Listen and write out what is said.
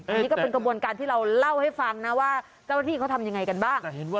อันนี้ก็เป็นกระบวนการที่เราเล่าให้ฟังนะว่าเจ้าหน้าที่เขาทำยังไงกันบ้าง